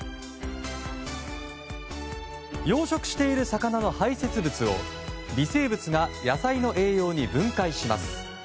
養殖している魚の排泄物を微生物が野菜の栄養に分解します。